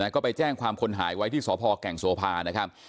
ก็ไปแจ้งความควรหายไว้ที่ทกรก่แก่งโสภา